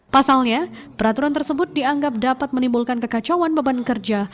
pasalnya peraturan tersebut dianggap dapat menimbulkan kekacauan beban kerja